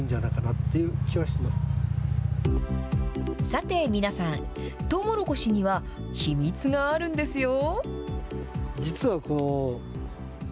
さて、皆さん、とうもろこしには秘密があるんですよ。